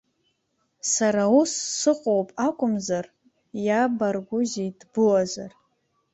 Сара ус сыҟоуп акәымзар, иабаргәузеи дбуазар.